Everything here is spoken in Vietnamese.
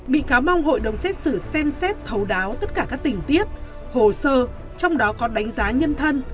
bị cáo mong hội đồng xét xử xem xét thấu đáo tất cả các tình tiết hồ sơ trong đó có đánh giá nhân thân